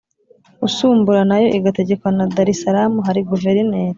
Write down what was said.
usumbura nayo igategekwa na darisalamu hari guverineri.